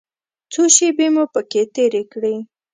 څو شېبې مو پکې تېرې کړې.